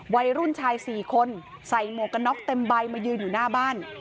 วัยรุ่นชาย๔คนใส่หมวกกันน็อกเต็มใบมายืนอยู่หน้าบ้าน